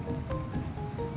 dan saya juga senang